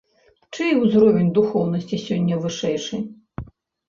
Чый узровень духоўнасці сёння вышэйшы?